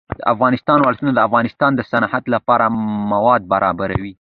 د افغانستان ولايتونه د افغانستان د صنعت لپاره مواد برابروي.